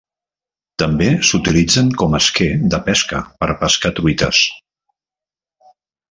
També s'utilitzen com esquer de pesca per pescar truites.